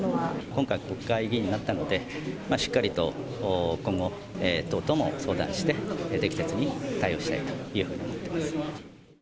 今回、国会議員になったので、しっかりと、今後、党とも相談して、適切に対応したいというふうに思ってます。